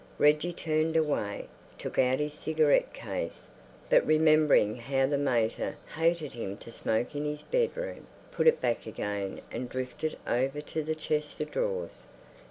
Reggie turned away, took out his cigarette case, but remembering how the mater hated him to smoke in his bedroom, put it back again and drifted over to the chest of drawers.